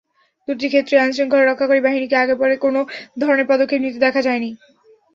দুটি ক্ষেত্রেই আইনশৃঙ্খলা রক্ষাকারী বাহিনীকে আগে-পরে কোনো ধরনের পদক্ষেপ নিতে দেখা যায়নি।